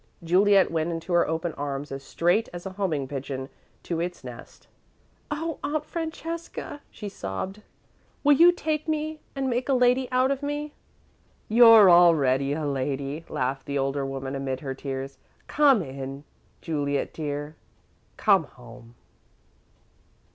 Juliet went into her open arms as straight as a homing pigeon to its nest. "Oh, Aunt Francesca," she sobbed, "will you take me and make a lady out of me?" "You're already a lady," laughed the older woman amid her tears. "Come in, Juliet dear come home!"